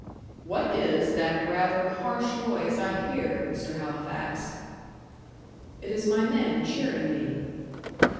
"What is that rather harsh noise I hear, Mr. Halifax?" "It is my men cheering me."